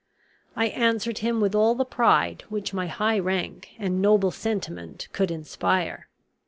I answered him with all the pride which my high rank and noble sentiment could inspire.